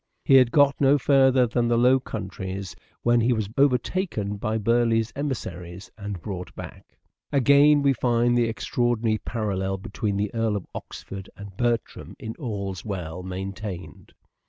He had got no further than the Low 266 " SHAKESPEARE " IDENTIFIED Countries when he was overtaken by Burleigh's emissaries and brought back. Again we find the extraordinary parallel between the Earl of Oxford and Bertram, in " All's Well," maintained.